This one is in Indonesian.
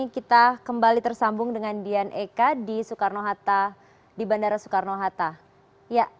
kita kembali tersambung dengan dian eka di soekarno hatta di bandara soekarno hatta